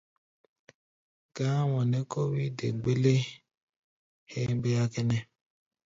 Gá̧á̧mɔ nɛ́ kó wí nɛ dé mgbɛlɛ héémbéá kʼɛ́nɛ́.